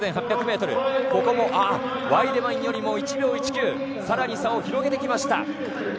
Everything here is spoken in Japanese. ３８００ｍ、ここも、ワイデマンよりも１秒１９更に差を広げてきました。